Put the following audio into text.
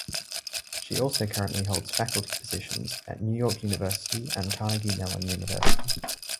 She also currently holds faculty positions at New York University and Carnegie Mellon University.